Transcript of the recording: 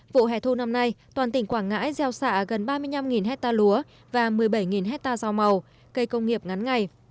vụ hẻ thu năm nay toàn tỉnh quảng ngãi gieo xạ gần ba mươi năm hectare lúa và một mươi bảy hectare rau màu cây công nghiệp ngắn ngày